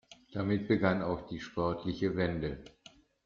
Damit begann auch die sportliche Wende.